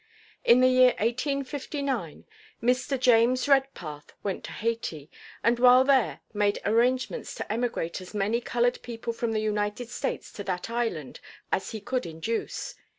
In the year 1859, Mr. James Redpath went to Hayti, and while there made arrangements to emigrate as many colored people from the United States to that island as he could induce.